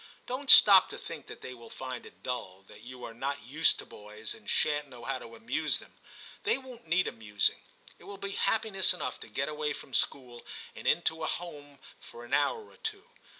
Don*t stop to think that they will find it dull, that you are not used to boys and shan*t know how to amuse them; they won't need amusing. It will be happiness enough to get away from school and into a home for an hour or two.